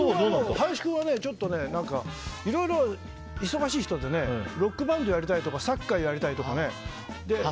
林君はいろいろ忙しい人でロックバンドやりたいとかサッカーやりたいとかね。